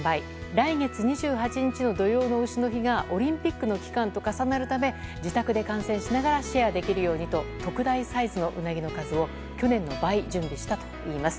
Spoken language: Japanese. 来月２８日の土用の丑の日がオリンピックの期間と重なるため自宅で観戦しながらシェアできるようにと特大サイズのウナギの数を去年の倍、準備したといいます。